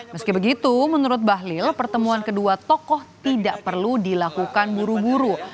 meski begitu menurut bahlil pertemuan kedua tokoh tidak perlu dilakukan buru buru